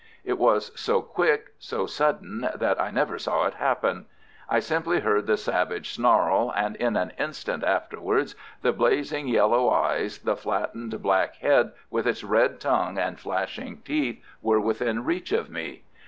It was so quick, so sudden, that I never saw it happen. I simply heard the savage snarl, and in an instant afterwards the blazing yellow eyes, the flattened black head with its red tongue and flashing teeth, were within reach of me.